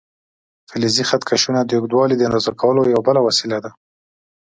فلزي خط کشونه د اوږدوالي د اندازه کولو یوه بله وسیله ده.